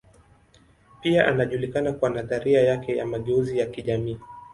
Pia anajulikana kwa nadharia yake ya mageuzi ya kijamii.